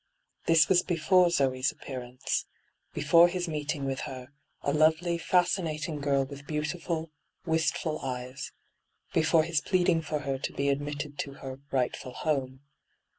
This was before Zoe's appearance — ^before his meeting with her, a lovely, &8cinating girl with beautiful, wistfiil eyes — before his plead ing for her to be admitted to her 'rightful home.'